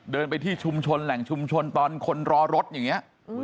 เดินไปที่ชุมชนแหล่งชุมชนตอนคนรอรถอย่างนี้